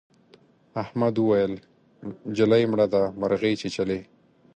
احمد وويل: نجلۍ مړه ده مرغۍ چیچلې.